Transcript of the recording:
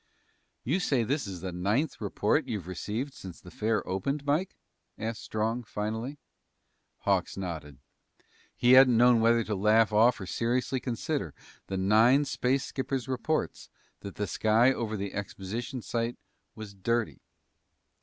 "You say this is the ninth report you've received since the fair opened, Mike?" asked Strong finally. Hawks nodded. He hadn't known whether to laugh off or seriously consider the nine space skippers' reports that the sky over the exposition site was dirty.